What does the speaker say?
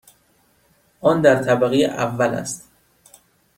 آن در طبقه اول است.